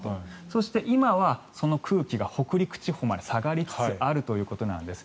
そして、今はその空気が北陸地方まで下がりつつあるということなんです。